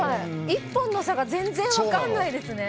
１本の差が全然分かんないですね。